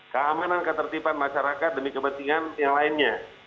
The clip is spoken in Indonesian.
keamanan ketertiban masyarakat demi kepentingan yang lainnya